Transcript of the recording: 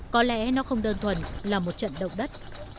có lẽ nó không đơn thuần là một trận động đất